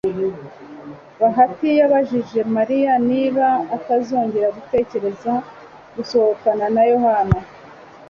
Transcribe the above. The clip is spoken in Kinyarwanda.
Bahati yabajije Mariya niba atazongera gutekereza gusohokana na Yohana.